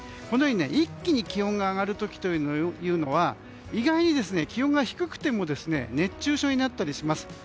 このように一気に気温が上がる時というのは意外に気温が低くても熱中症になったりします。